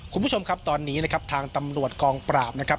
คุณผู้ชมครับตอนนี้นะครับทางตำรวจกองปราบนะครับ